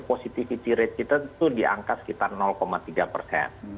positivity rate kita itu diangkat sekitar tiga persen